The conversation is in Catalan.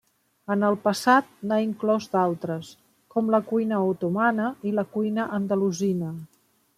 En el passat n'ha inclòs d'altres, com la cuina otomana i la cuina andalusina.